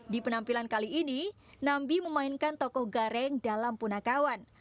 di penampilan kali ini nambi memainkan tokoh gareng dalam punakawan